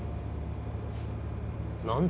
何だ？